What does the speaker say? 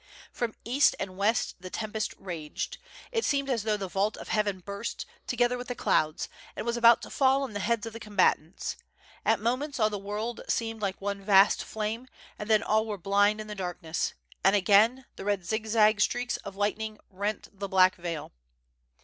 From east and west the tempest raged. It seemed as though the vault of heaven burst, together with the clouds, and was about to fall on the heads of the combatants. At moments all the world seemed like one vast flame, and then all were blind in the darkness, and again, the red zigzag streaks of lightning rent the black veil.